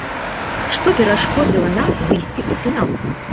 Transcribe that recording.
Што перашкодзіла нам выйсці ў фінал?